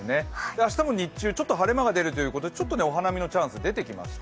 明日も日中ちょっと晴れ間が出るということでちょっとお花見のチャンスが出てきました。